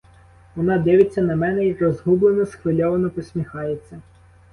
Вона дивиться на мене й розгублено, схвильовано посміхається.